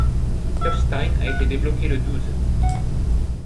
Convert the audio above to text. Kufstein a été débloqué le douze.